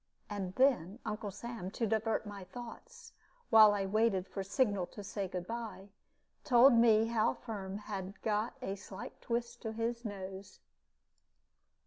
And then Uncle Sam, to divert my thoughts, while I waited for signal to say good by, told me how Firm got a slight twist to his nose.